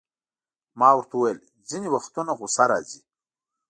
ما ورته وویل: ځیني وختونه غصه راځي.